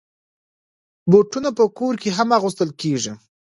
بوټونه په کور کې هم اغوستل کېږي.